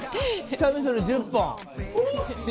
・チャミスル１０本。